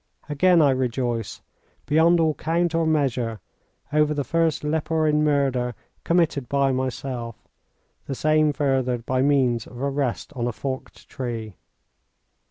Again I rejoice, beyond all count or measure, over the first leporine murder committed by myself, the same furthered by means of a rest on a forked tree.